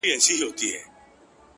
نړوم غرونه د تمي. له اوږو د ملایکو.